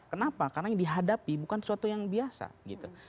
kenapa karena yang dihadapi bukan sesuatu yang biasa gitu